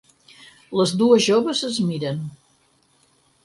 Les dues joves es miren.